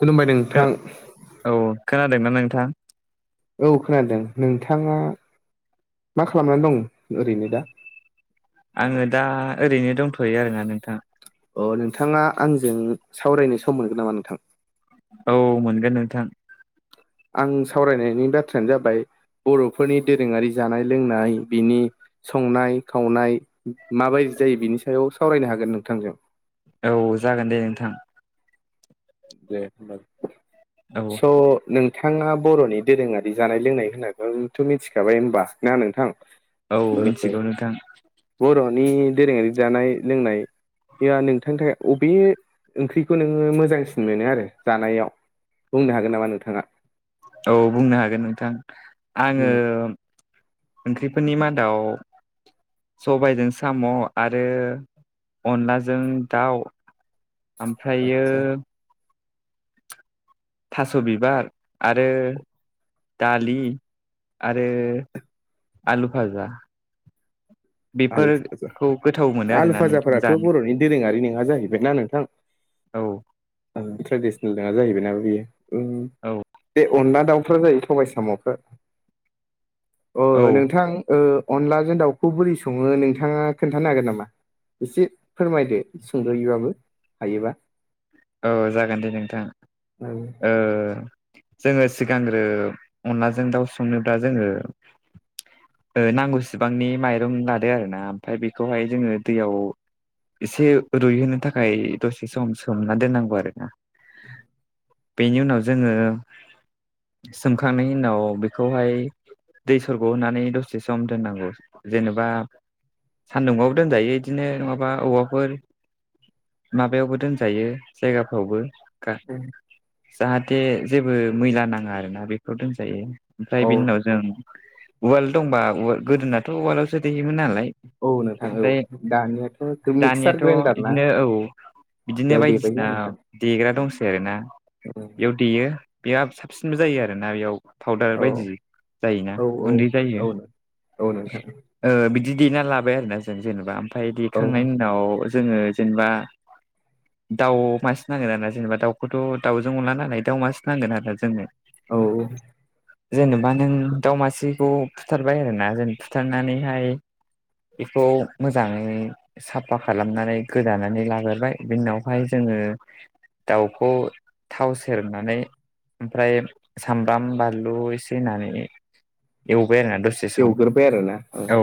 खुलुमबाय नोंथां औ खोनादोंमोन नोंथां औ खोनादों नोंथाङा मा खालामनानै दं ओरैनो दा आङो दा ओरैनो दंथ'यो आरोना नोंथां अ नोंथाङा आंजों सावरायनो सम मोनगोन नामा नोंथां औ मोनगोन नोंथां आं सावरायनायनि बाथ्रायानो जाबाय बर'फोरनि दोरोङारि जानाय लोंनाय बिनि संनाय खावनाय माबायदि जायो बिनि सायाव सावरायनो हागोन नोंथांजों औ जागोन दे नोंथां दे होनब्ला। औ स' नोंथाङा बर'नि दोरोङारि जानाय लोंनाय होननाथ' मिथिखाबाय होनबा ना नोंथां औ मिथिगौ नोंथां बर'नि दोरोङारि जानाय लोंनाय ओंख्रिया नोंथांनि थाखाय अबे ओंख्रिखौ नोङो मोजांसिन मोनो आरो जानायाव बुंनो हागोन नामा नोंथाङा औ बुंनो हागोन नोंथां आङो ओंख्रिफोरनि मादाव सबायजों साम' आरो अनलाजों दाउ ओमफ्रायो आतसा थास' बिबार आरो दालि आरो आलु फाजा [inaudible] आलु फाजा गोथाव मोनो आलु आरोना नोंथां फाजाफोराथ' जानो बर'नि दोरोङारि नोङा जाहैबाय ना नोंथां औ ट्रेडिसनेल नोङा जाहैबाय ना बेयो औ बे अनला दाउफ्रा जायो [unintelligible] साम'खौ औ अ नोंथां अनलाजों दाउखौ बोरै स ङो नोंथाङा खोन्थानो हागोन नामा एसे फोरमायदो सुंद'यैबाबो हायोबा औ जागोन दे नोंथां ओ जोङो सिगांग्रो अनलाजों दाउ संनोब्ला जोङो ओ नांगौसिबांनि माइरं लादो आरोना ओमफ्राय बेखौहाय जोङो दैयाव एसे रुइहोनो थाखाय दसे सम सोमना दोननांगौ आरो ना बेनि उनाव जोङो सोमखांनायनि उनाव बेखौहाय दै सरग' होनानै दसे सम दोननांगौ जेनेबा सान्दुंआवबो दोनजायो बिदिनो नङाबा बहाबाफोर माबायावबो दोनजायो जायगाफ्रावबो गा जाहाथे जेबो मैला नाङा आरोना बेखौ दोनजायो औ ओमफ्राय बिनि उनाव जों उवाल दंबा उवा गोदोनाथ' उवालावसो देयोमोन नालाय औ नोंथां औ ओमफ्राय दानियाथ' मिक्सार दानियाथ' ग्राइन्डार ना इदिनो औ बिदिनो बेयाव बायदिसिना देबायना ना नोंथां देग्रा दंसै आरो ना बेयाव देयो बेयाब साबसिनबो जायो आरोना बेयाव फाउदार औ बायदि जायोना औ औ गुन्दै जायो औ नों औ नोंथां ओ बिदि देना लाबाय आरोना जों जेनेबा ओमफ्राय औ देखांनायनि उनाव जोङो जेनेबा दाउ मासे नांगोन आरो ना जेनेबा दाउखौथ' दाउजों अनला नालाय दाउ मासे नांगोन आरोना जोंनो औ औ जेनेबा नों दाव मासेखौ फुथारबाय आरो ना जेन फुथारनानैहाय बेखौ मोजाङै साफा खालामनानै गोदानानै लाग्रोबाय बिनि उनाव बेहाय जोङो दाउखौ थाव सेरनानै ओमफ्राय सामब्राम बानलु एसे होनानै एवबाय आरोना दसे दसे सम एवग्रोबाय आरोना औ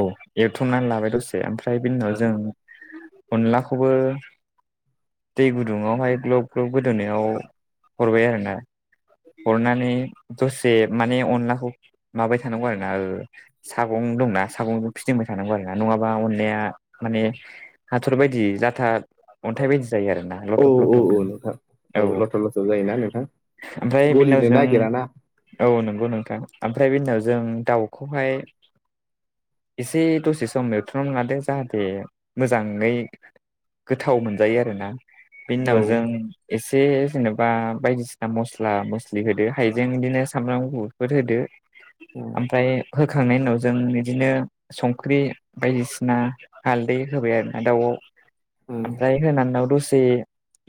एरथुमनानै लाबाय दसे ओमफ्राय बेनि उनाव जों अनलाखौबो दै गुदुङावहाय ग्लब ग्लब गोदोनोनायाव हरबाय आरोना हरनानै दसे माने अनलाखौ माबाय थानांगौ आरो ना सागं दंना सागंखौ फिदिंबाय थानांगौ आरोना नङाबा अनलाया माने हाथर बायदि जाथा अ अनथाय बायदि जायो आरोना औ लथब औ लथब औ नोंथां औ लथब लथब जायोना नोंथां ओमफ्राय बेनि उनाव गलिनो नागिराना जों औ नंगौ नोंथां ओमफ्राय बे उनाव जों दाउखौहाय एसे दसे सम एवथ्रमना लादो जाहाथे मोजाङै गोथाव मोनजायो आरोना बेनि उनाव औ जों एसे जेनेबा बायदिसिना मस्ला मस्लि होदो हायजें बिदिनो सामब्राम गुफुरफोर होदो उम ओमफ्राय होखांनायनि उनाव जों बिदिनो संख्रि बायदिसिना हालदै होबाय आरोना दाउआव उम ओमफ्राय होनानै उनाव दसे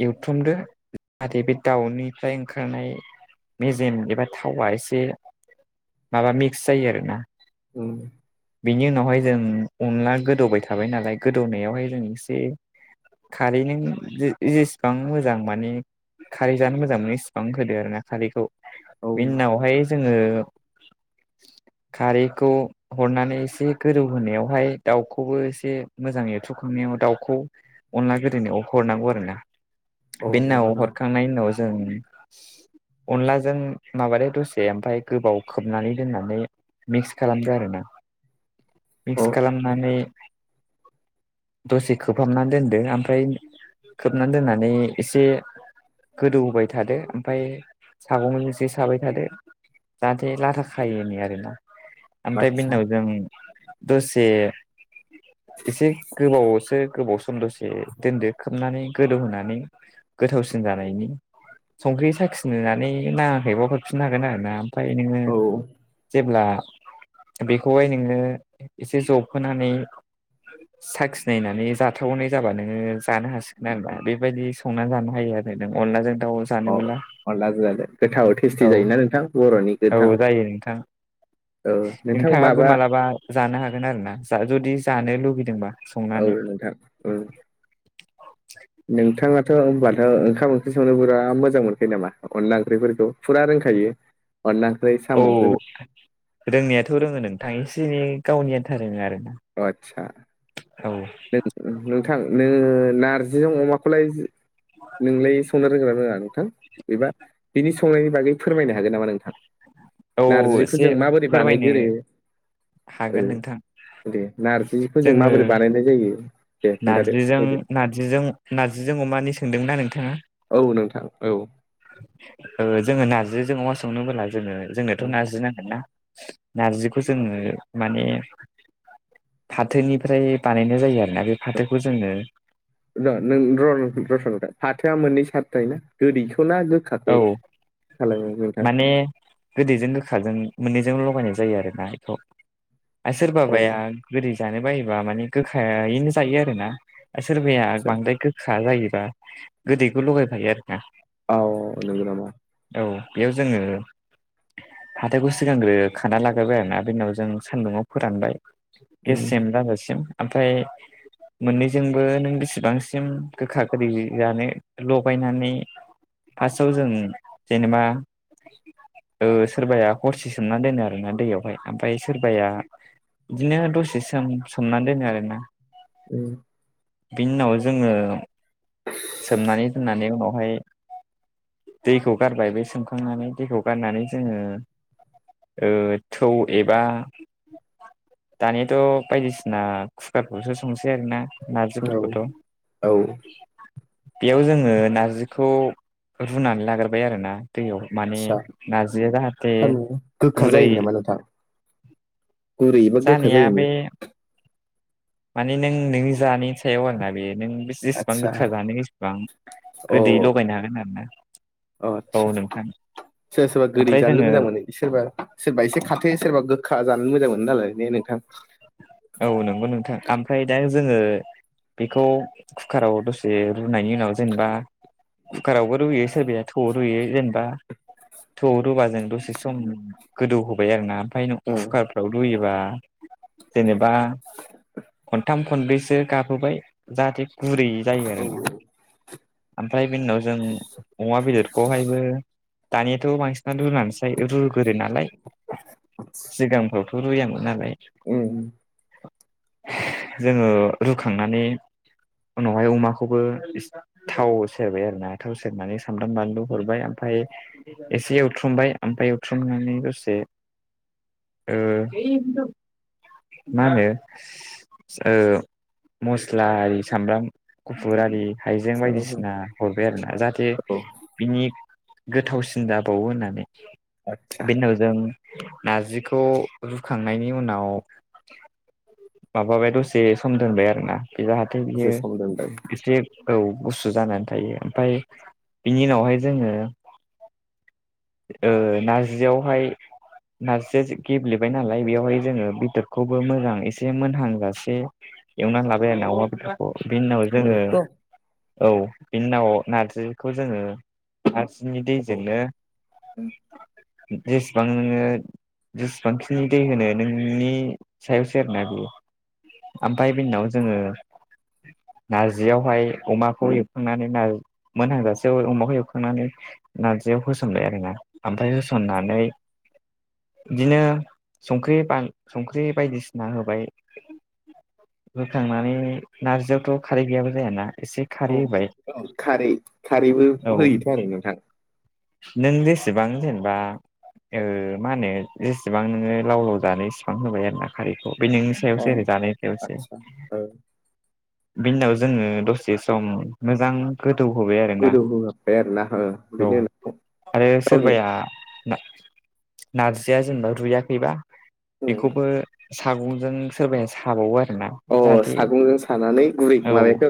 एवथुमदो जाहाथे बे दाउनिफ्राय ओंखारनाय मेजेम एबा थावा एसे माबा मिक्स जायो आरोना उम बेनि उनावहाय जों अनला गोदौबाय थाबाय नालाय गोदौनायावहाय जों एसे खारि जेसेबां मोजां माने खारै जानो मोजां मोनो एसेबां होदो आरो ना खारैखौ औ बेनि उनावहाय जोङो [inaudible] खारैखौ हरनानै एसे गोदौ होनायावहाय दाउखौबो एसे मोजाङै थुखांनायाव दाउखौ अनला गोदैनो अहरनांगौ आरोना औ बे नंगौ उनाव नामा हरखांनायनि उनाव जों अनलाजों माबा द दसे ओमफफ्राय गोबाव खोबनानै दोननानै मिक्स खालामदो आरो ना [unintelligible] मिक्स खालामनानै दसे खोबहाबनानै दोनदो ओमफ्राय खोबनानै दोननानै एसे गोदौ होबाय थादो ओमफ्राय सागंजोंसे साबाय थादो जाहाथे लाथा खायोै आरोना ओमफ्राय बिनि आदसा उनाव जों दसे एसे गोबावसो गोबावसोम दसे दोनदो खोबनानै गोदौहोनानै गोथावसिन जानायनि संख्रि साखिनानै नाङाखैबा हरफिननो हागोन आरोना ओमफ्राय नोङो औ जेब्ला बेखौहाय नोङो एसे जबहोनानै साखिनायनानै जाथावनाय जाबानो जानो हासिगोन आरोना बेबायदि संनानै जानो हायो आरो नों अनलाजों दाउ अ जानोबोला अनलाजों दाउ गोथाव टेस्टि औ जायोना नोंथां बर'नि गोथ औ जायो नोंथां औ नोंथां नोंथाङाबो माबा मालाबा जानो हागोन आरो ना जा जुदि जानो लुुबैदोंबा संनानै औ नोंथां [inaudible] नोंथाङाथ' होनबाथ' ओंखाम ओंख्रि संनो बिराद मोजां मोनखायो नामा अनला ओंख्रिफोरखौ फुरा रोंखायो अनला ओंख्रि साम' ओंख्रिफोरखौ [inaudible] रोंनायाथ' रोङो नोंथां एसे एनै गावनि आन्था रोङो आरो ना अ आदसा औ नों नोंथां नोङो नार्जिजों अमाखौलाय नोंलाय संनो रोंगोन ना रोङा नों नोंथां बेबा बिनि संनायनि बागै फोरमायनो हागोन नामा नों औ नारजिखौ एसे जों माबोरै फोरमायनो बानायगोरो ओ हागोन नोंथां दे नारजिखौ जों जोङो माबोरै बानायनाय जायो दे खोन्थादो नारजिजों फोरमायदो नारजिजों नार्जिजों अमानि सोंदोंमोन ना नोंथाङा औ नोंथां औ जोङो नारजिजों अमा संनोबोला जोङो जोंनोथ' नारजि नांगोन ना नारजिखौ जोङो माने फाथोनिफ्राय बानायनाय जायो आरोना बे फाथोखौ जोङो र नों र रथलाय फाथोआ मोननै सारथ थायो ना गोदैखौ ना गोखाखौ औ खालामो नोंथां माने गोदैजों गोखाजों मोननैजों लगायनाय जायो आरोना बेखौ आरो अ सोरबाबाया गोदै जानो बायोबा माने गोखायैनो जायो आरो ना सोरबाया आदसा बांद्राय गोखा जायोबा गोदैखौ लगायफायो आरो ना औ नोंगौ नामा औ बेयाव जोङो फाथोखौ सिगांग्रो खाना लाग्रोबाय आरोना बे उनाव जों सान्दुंआव फोरानबाय उम गेस्रेम जाजासिम ओमफ्राय मोननैजोंबो नों बेसेबांसिम गोखा गोदै जानो लगायनानै फार्स्टआव जों जेनेबा सोरबाया हरसे सोमनानै दोनो आरो ना दैयावहाय ओमफ्राय सोरबाया बिदिनो दसे सम सोमनानै दोनो आरोना [inaudible] बिनि उनाव जोङो सोमनानै दोननानै उनावहाय दैखौ गारबाय बे सोमखांनानै दैखौ गारनानै जोङो थौ एबा दानियाथ' बायदिसिना कुकारखौसो संसै आरोना औ नारजिफोरखौथ' औ बेयाव जोङो नारजिखौ रुनानै लाग्रोबाय आरोना दैयाव माने आदसा नारजिया जाहाथे थारमाने गोखा गुरै जायो नामा नोंथां गुरै एबा गोखा जानाया जायिनि बे माने नों नोंनि जानायनि सायाव आरोना बे नों बे जेसिबां आदसा गोखा जानो इसिबां अ गोदैयै लगायनो हागोन आरो ना अ आतसा सोरबा सोरबा गोदै ओमफ्राय जानोल' जोङो मोजां मोनो। सोरबा सोरबा एसे खाथो सोरबा गोखा जानो मोजां मोनो नालाय ने नोंथां। औ नंगौ नोंथां ओमफ्राय दा जोङो बेखौ कुकाराव दसे रुनायनि उनाव जेनेबा कुकारावबो रुयो सोरबाया थौ रुयो जेनेबा थौआव रुबा जों दसे सम गोदौहोबाय आरोना। [unintelligible] उम खुकारफ्राव रुयोबा जेनेबा खनथाम खनब्रैसो गाबहोबाय। जाहाथे गुरै जायो औ आरो ना। ओमफ्राय बिनि उनाव जों अमा बेदरखौहायबो दानियाथ' बांसिनानो रुनानैसो फ्राय रुग्रोनालाय सिगांफ्रावथ' रुयामोन नालाय उम। जोङो रुखांनानै उनावहाय अमाखौबो थाव सेरबाय आरो ना थाव सेरनानै सामब्राम बानलु हरबाय ओमफाय एसे एवथ्रुमबाय ओमफाय एवथ्रुमनानै दसे ओ। मा होनो ओ मस्ला आरि सामब्राम गुफुर आरि हाइजें साबायखर। बायदिसिना हरबाय आरोना जाहाथे औ बिनि गोथावसिन जाबावो होननानै। आदसा बे उनाव जों नारजिखौ रुखांनायनि उनाव माबाबाय दसे सम दोनबाय आरोना बे जाहाथे बियो दसे सम दोनबाय एसे औ गुसु जानानै थायो। ओमफाय बिनि उनावहाय जोङो ओ नारजियावहाय नारजिया एसे गेब्लेबाय नालाय बेवहाय जोङो बेदरखौबो मोजां एसे एसे मोनहांजासे एवनानै लाबाय आरोना अमा बेदरखौ बिनि उनाव जोङो औ औ बिनि उनाव नारजिखौ जोङो नारजिनि दैजोंनो ओ जेसेबां नोङो जेसेबांखिनि दै होनो नोंनि सायावसो। दाबि ओमफाय बेनिउनाव जोङो नारजियावहाय अमाखौ एवखांनानै नार मोनहांजासे अमाखौ एवखांनानै नारजियाव होसनबाय आरो ना ओमफाय होसननानै दिनो संख्रि बा संख्रि बायदिसि ना होबाय होखांनानै नारजियावथ' खारै गैयाबा जायाना एसे औ खारै होबाय औ खारै खारैबो औ होयोथ' आरो नोंथां। नों जेसेबां जेनेबा ओ मा होनो जेसेबां नोङो लाव लाव जानो इसेबां होबाय आरो ना। खारिखौ बे नोंनि अ सायावसो आरो जानायनि सायावसो। आदसा ओ बिनि उनाव जोङो दसे सम मोजां गोदौ होबाय आरोना गोदौ होहाबबाय आरोना ओ औ। बेनि उनाव आरो गावनि सोरबाया ना नारजिया जेनेबा रुयाखैबा उम बेखौबो सागंजों सोरबाया साबावो आरो ना। अ जाहाथे सागंजों सानानै गुरै औ माबाखौ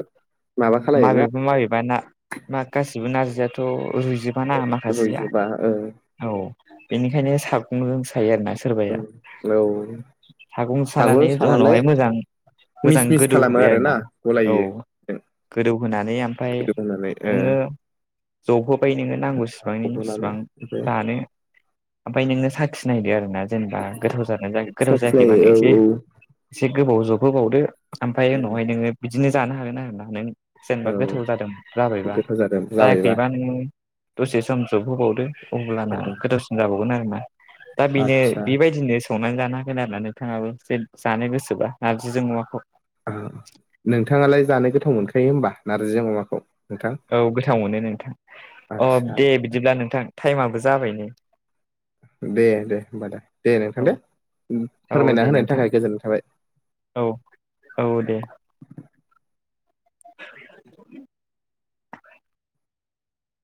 माबा खालायोना माबेबा माबेबा ना मा गासिबो नार्जिआथ' रुइजोबा ना माखासेया। रुइजोबा ओ औ बेनिखायनो सागंसायो आरोना सोरबाया। हेलौ। सागं सानानै उनावहाय मोजां मिस मोजां मिस खालामो गोदौहोबाय आरो ना आरोना औ। गलायो जों गोदौहोनानै ओमफाय गोदौ होनानै ओ नोङो। जहोबाय नोङो नांगौ सिबांनि फबहोनानै सिबां ओमफ्राय दानो ओमफाय नोंनो साखिनायदो आरो ना जेनेबा गोथाव जादों ना गोथाव जायाखैबा नों साखिनायो एसे औ एसे गोबाव जहोबावदो ओमफ्राय उनावहाय नोङो बिदिनो जानो हागोन आरोना नों औ जेनेबा गोथाव जादों जाबायबा गोथाव जादों जाबायबा जायाखैबा नोङो दसे सम जबहोबावदो अब्लाना गोथावसिन जाबावगोन आरोना दा बेनो आदसा बेबायदिनो संनानै जानो हागोन आरो ना नोंथाङाबो जे जानो गोसोबा नारजिजों अमाखौ नोंथाङालाय जानो गोथाव मोनखायो होमबा नारजिजों अमाखौ नोंथां औ गोथाव मोनो नोंथां अ आदसा दे बिदिब्ला नोंथां टाइमाबो जाबाय नै दे दे होमबा दे दे नोंथां औ दे औ फोरमायना दे होनायनि नोंथां थाखाय गोजोननाय थाबाय औ औ दे [inaudible]